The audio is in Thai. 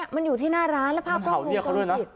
มันอยู่ที่หน้าร้านแล้วภาพบอกวงจนจิตมันเห่าเรียกเขาด้วยนะ